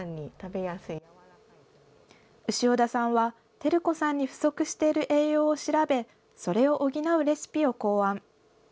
輝子さんに不足している栄養を調べ、それを補うレシピを考案。